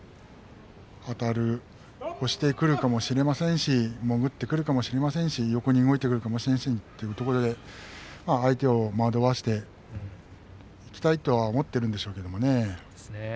あたる、押してくるかもしれませんし潜ってくるかもしれませんし横に動いてくるかもしれませんしというところで相手を惑わせていきたいとは思っているんでしょうけれどね。